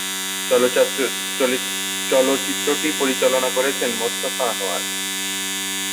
চলচ্চিত্রটি পরিচালনা করেছেন মোস্তফা আনোয়ার।